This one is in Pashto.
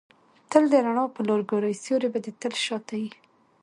تل د رڼا پر لوري ګورئ! سیوری به دي تل شاته يي.